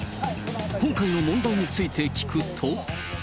今回の問題について聞くと。